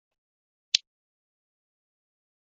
升级附加赛的资格也维持不变。